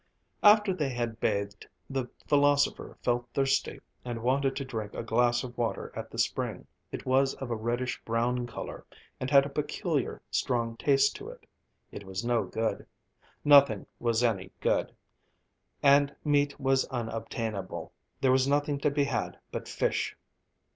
After they had bathed the philosopher felt thirsty, and wanted to drink a glass of water at the spring. It was of a reddish brown colour, and had a peculiar, strong taste. It was no good. Nothing was any good. And meat was unobtainable, there was nothing to be had but fish.